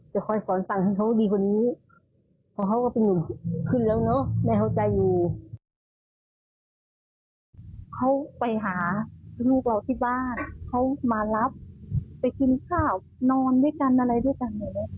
จะคอยสอนสั่งให้เขาดีกว่านี้